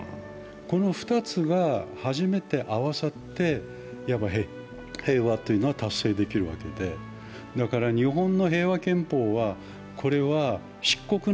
この２つが初めて合わさって、平和というのは達成できるわけで、日本の平和憲法は、これはしっこく